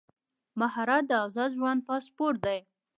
مهارت د ازاد ژوند پاسپورټ دی.